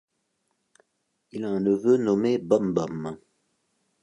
Il a un neveu nommé Bom-Bom.